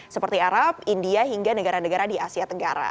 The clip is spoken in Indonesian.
seperti arab india hingga negara negara di asia tenggara